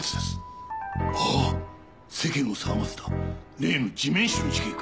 ああ世間を騒がせた例の地面師の事件か！